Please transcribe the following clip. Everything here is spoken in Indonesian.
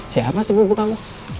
siapa sepupu kamu